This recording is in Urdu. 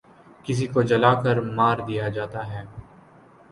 کسی کو جلا کر مار دیا جاتا ہے